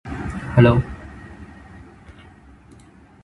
The flier manages to reach Maria, who passes on the message to the underground.